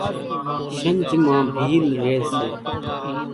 شنجھ مان ڀيل ريئيَ سي۔